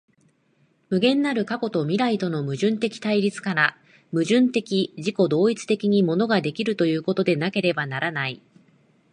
無限なる過去と未来との矛盾的対立から、矛盾的自己同一的に物が出来るということでなければならない。